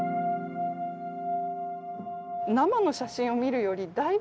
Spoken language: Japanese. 生の写真を見るよりだいぶ。